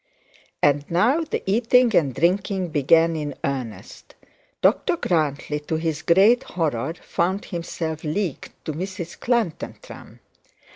And now the eating and drinking began in earnest. Dr Grantly, to his great horror, found himself leagued to Mrs Clantantram.